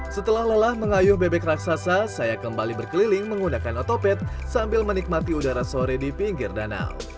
setelah lelah mengayuh bebek raksasa saya kembali berkeliling menggunakan otopet sambil menikmati udara sore di pinggir danau